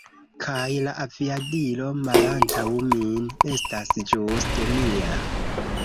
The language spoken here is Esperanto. Kaj la aviadilo malantaŭ min estas ĝuste nia